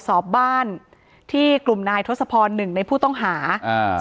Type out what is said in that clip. อ๋อเจ้าสีสุข่าวของสิ้นพอได้ด้วย